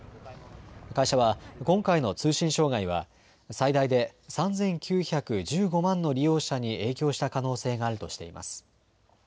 会社は今回の通信障害は最大で３９１５万の利用者に影響した可能性があるとしています。